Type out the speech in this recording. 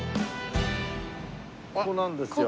ここなんですよ。